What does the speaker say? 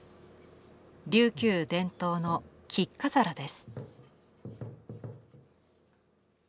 琉球伝統の菊花皿です。